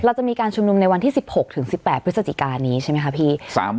จะมีการชุมนุมในวันที่๑๖ถึง๑๘พฤศจิกานี้ใช่ไหมคะพี่